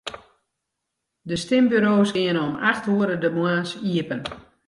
De stimburo's geane om acht oere de moarns iepen.